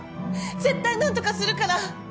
絶対何とかするから。